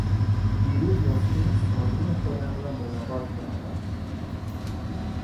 دیروز نسخهی ثانی خودم را ملاقات کردم.